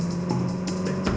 saya mau jalan